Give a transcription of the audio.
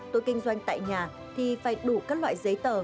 tôi kinh doanh tại nhà thì phải đủ các loại giấy tờ